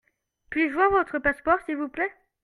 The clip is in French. Puis-je voir votre passeport s'il vous plait ?